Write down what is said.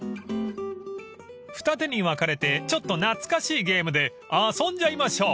［二手に分かれてちょっと懐かしいゲームで遊んじゃいましょう］